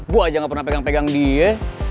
gua aja ga pernah pegang pegang dia